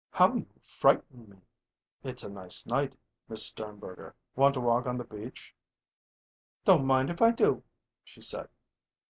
"How you frightened me!" "It's a nice night, Miss Sternberger. Want to walk on the beach?" "Don't mind if I do," she said.